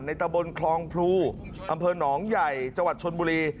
ตะบนคลองพลูอำเภอหนองใหญ่จังหวัดชนบุรี